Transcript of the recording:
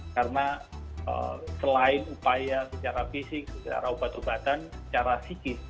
karena selain upaya secara fisik secara obat obatan secara psikis